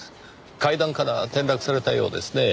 階段から転落されたようですねぇ。